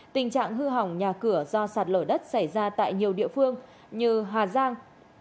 tình trạng hư hỏng nhà cửa do sạt lở đất xảy ra tại nhiều địa phương như hà giang